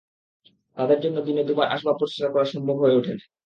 তাঁদের জন্য দিনে দুবার আসবাব পরিষ্কার করা সম্ভব হয়ে ওঠে না।